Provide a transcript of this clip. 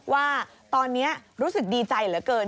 ว่าตอนนี้รู้สึกดีใจเหลือเกิน